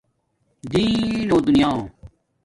دین دُونیا